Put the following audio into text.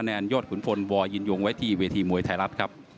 แนนคุณฟลล์บ่อยินยวงไว้ที่วิทย์มวยไทยรัฐครับ